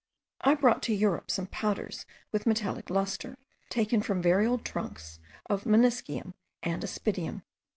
I brought to Europe some powders with metallic lustre, taken from very old trunks of Meniscium and Aspidium.